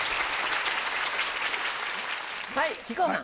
はい木久扇さん。